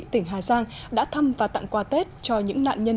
tỉnh hà giang đã thăm và tặng quà tết cho những nạn nhân